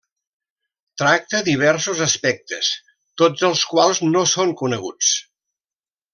Tracta diversos aspectes, tots els quals no són coneguts.